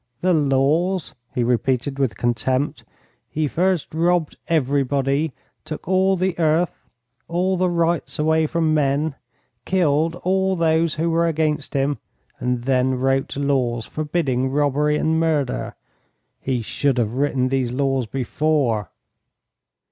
"The laws?" he repeated with contempt. "He first robbed everybody, took all the earth, all the rights away from men, killed all those who were against him, and then wrote laws, forbidding robbery and murder. He should have written these laws before."